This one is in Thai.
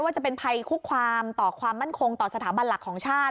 จะเป็นภัยคุกความต่อความมั่นคงต่อสถาบันหลักของชาติ